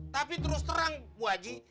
tapi terus terang bu haji